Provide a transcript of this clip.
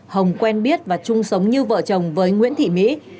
hồng quen biết và chung sống như vợ chồng với nguyễn thị mỹ